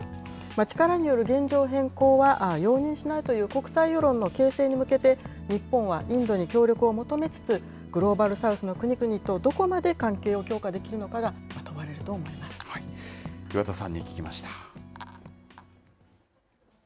力による現状変更は容認しないという国際世論の形成に向けて、日本はインドに協力を求めつつ、グローバル・サウスの国々と、どこまで関係を強化できるのかが問わ岩田さんに聞きました。